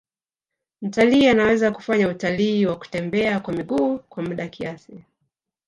Mtalii anaweza kufanya utalii wa kutembea kwa miguu kwa muda kiasi